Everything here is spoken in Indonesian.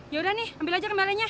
yaudah nih ambil aja kembalinya